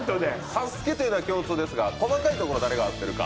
「ＳＡＳＵＫＥ」というのは共通ですが細かいところ誰が合ってるか。